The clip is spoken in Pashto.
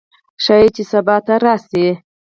ښايي چې سبا ته راشي